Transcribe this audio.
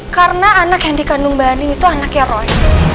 karena anak yang dikandung mbak andin itu anaknya roy